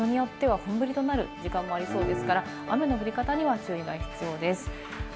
場所によっては本降りとなる時間もありそうですから、雨の降り方には注意が必要です。